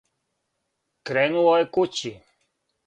Кренуо је кући.